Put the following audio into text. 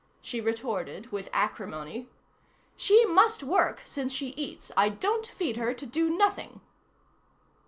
She retorted with acrimony:— "She must work, since she eats. I don't feed her to do nothing."